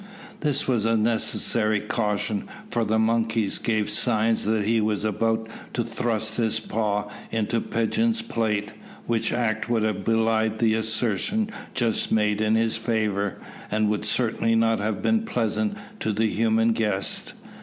This was a necessary caution, for the monkey gave signs that he was about to thrust his paw into Pigeon's plate, which act would have belied the assertion just made in his favour, and would certainly not have been pleasant to the human guest.